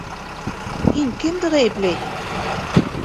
Һин кемде ғәйепләйһең?